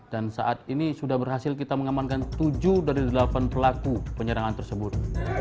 dan saat ini sudah berhasil kita mengamankan tujuh dari delapan pelaku penyerangan tersebut